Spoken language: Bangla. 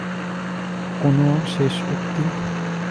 কোনো শেষ উক্তি?